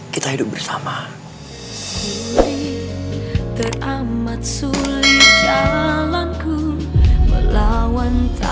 kita hidup bersama